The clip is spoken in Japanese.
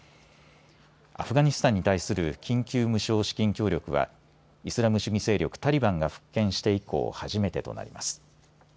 アフガニスタンに対する緊急無償資金協力はイスラム主義勢力タリバンが復権して以降、初めてとなります。